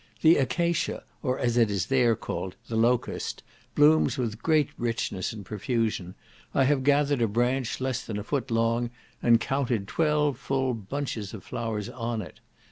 The acacia, or as it is there called, the locust, blooms with great richness and profusion; I have gathered a branch less than a foot long, and counted twelve full bunches of flowers on it.